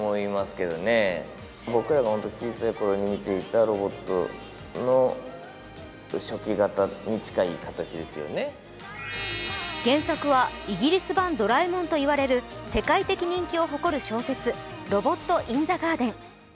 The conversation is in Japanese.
タングの魅力について、二宮さんは原作はイギリス版「ドラえもん」といわれる世界的人気を誇る小説、「ロボット・イン・ザ・ガーデン」。